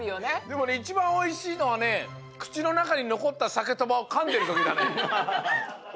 でもねいちばんおいしいのはねくちのなかにのこったサケとばをかんでるときだね。